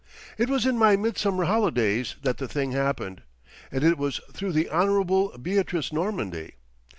It was in my midsummer holidays that the thing happened, and it was through the Honourable Beatrice Normandy.